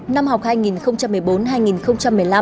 năm học hai nghìn một mươi bốn hai nghìn một mươi năm